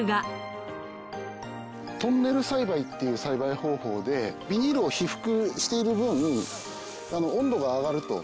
トンネル栽培っていう栽培方法でビニールを被覆している分温度が上がると。